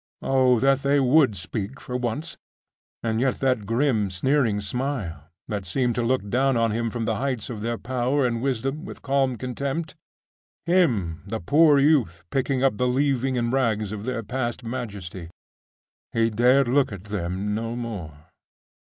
Oh that they would speak for once!.... and yet that grim sneering smile, that seemed to look down on him from the heights of their power and wisdom, with calm contempt.... him, the poor youth, picking up the leaving and rags of their past majesty .... He dared look at them no more.